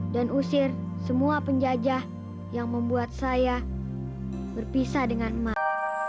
dan usir semua penjajah yang membuat saya berpisah dengan emak